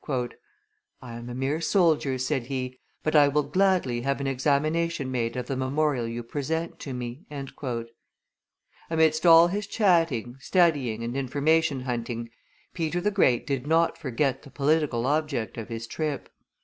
"I am a mere soldier," said he, "but I will gladly have an examination made of the memorial you present to me." Amidst all his chatting, studying, and information hunting, Peter the Great did not forget the political object of his trip.